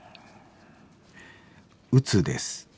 「うつです。